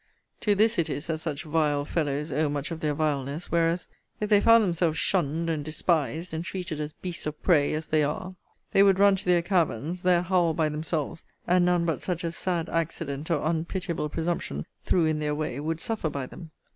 To this it is that such vile fellows owe much of their vileness: whereas, if they found themselves shunned, and despised, and treated as beasts of prey, as they are, they would run to their caverns; there howl by themselves; and none but such as sad accident, or unpitiable presumption, threw in their way, would suffer by them.